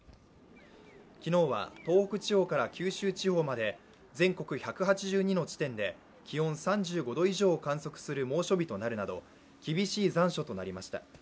昨日は東北地方から九州地方まで全国１８２の地点で、気温３５度以上を観測する猛暑日となるなど、厳しい残暑となりました。